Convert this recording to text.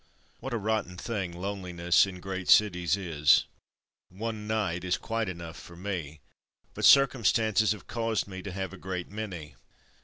What a rotten thing loneliness in great cities is ! One night is quite enough for me, but circumstances have caused me to have a great many.